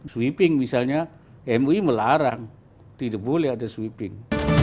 sweeping misalnya mui melarang tidak boleh ada sweeping